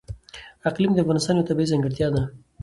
اقلیم د افغانستان یوه طبیعي ځانګړتیا ده.